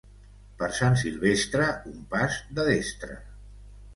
Per Sant Silvestre, un pas de destre.